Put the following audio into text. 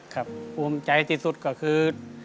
ภูมิใจที่สุดก็คือ